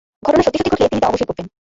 ঘটনা সত্যি-সত্যি ঘটলে তিনি তা অবশ্যই করতেন!